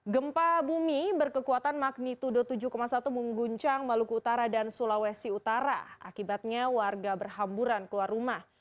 gempa bumi berkekuatan magnitudo tujuh satu mengguncang maluku utara dan sulawesi utara akibatnya warga berhamburan keluar rumah